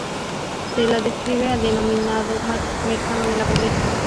Se la adscribe al denominado "mercado de la pobreza".